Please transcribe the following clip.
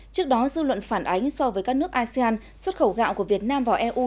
trước đó dư luận phản ánh so với các nước asean xuất khẩu gạo của việt nam vào eu